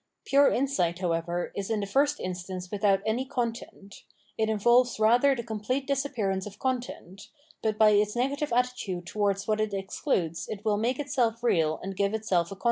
Pure insight, however, is in the first instance without any content ; it involves rather the complete dis appearance of content; but by its negative attitude towards what it excludes it will make itseK real and give itself a content.